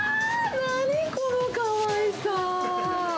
何このかわいさ。